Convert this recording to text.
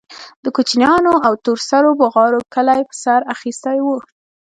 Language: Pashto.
د کوچنيانو او تور سرو بوغارو کلى په سر اخيستى و.